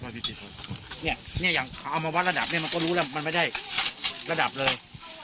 เนี่ยอย่างเขาเอามาวัดระดับเนี่ยมันก็รู้แล้วมันไม่ได้ระดับเลย